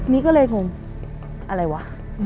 นี่ก็เลยงงอะไรวะ